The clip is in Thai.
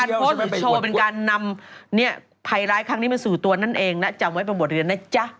เพราะการโพสต์หรือโชว์เป็นการนำภัยร้ายครั้งนี้เป็นสู่ตัวนั่นเองจำไว้ประบวนเรียนน่ะจ๊ะ